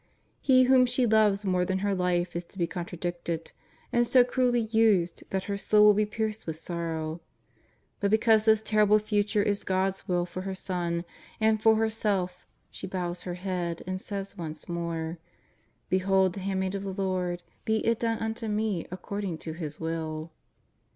He whom she loves more than her life is to be contradicted, and so cruelly used, that her soul will be pierced with sorrow. But because this terrible future is God's Will for her Son and for herself, she bows her head and says once more: *' Behold the handmaid of the Lord, be it done ante me according to His Will.''